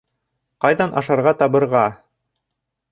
Ҡайҙан ашарға табырға?